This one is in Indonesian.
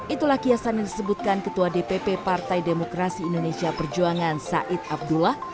itulah kiasan yang disebutkan ketua dpp partai demokrasi indonesia perjuangan said abdullah